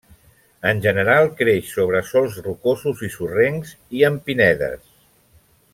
En general creix sobre sòls rocosos i sorrencs i en pinedes.